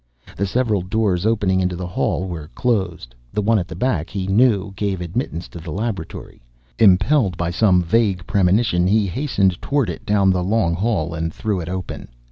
The several doors opening into the hall were closed. The one at the back, he knew, gave admittance to the laboratory. Impelled by some vague premonition, he hastened toward it down the long hall and threw it open.